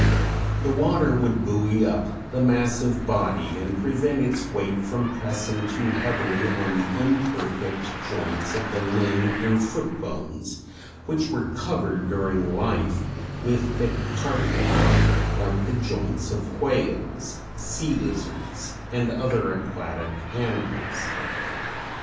The water would buoy up the massive body and prevent its weight from pressing too heavily on the imperfect joints of the limb and foot bones, which were covered during life with thick cartilage, like the joints of whales, sea lizards and other aquatic animals.